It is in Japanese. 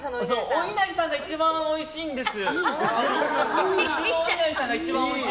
おいなりさんが一番おいしいんです。